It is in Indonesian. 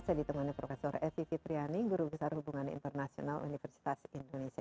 saya ditemani prof evi fitriani guru besar hubungan internasional universitas indonesia